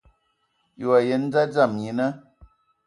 Yi wa yen nda dzama nyina?